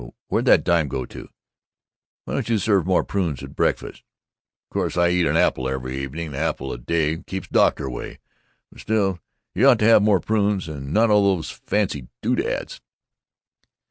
I Where'd that dime go to? Why don't you serve more prunes at breakfast? Of course I eat an apple every evening an apple a day keeps the doctor away but still, you ought to have more prunes, and not all these fancy doodads."